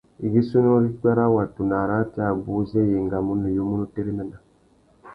Igussénô râ ipwê râ watu na arratê abú zê i engamú nuyumú nu téréména.